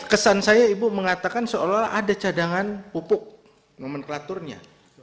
kesan saya ibu mengatakan seolah olah ada cadangan pupuk nomenklaturnya